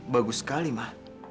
bagus sekali ma